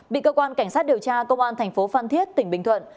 bị cơ quan cảnh sát điều tra công an thành phố phan thiết tỉnh bình thuận